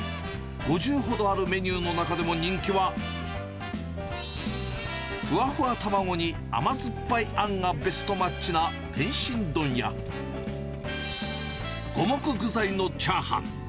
５０ほどあるメニューの中でも人気は、ふわふわ卵に、甘酸っぱいあんがベストマッチな天津丼や、五目具材のチャーハン。